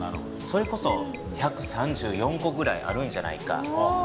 それこそ１３４個ぐらいあるんじゃないか。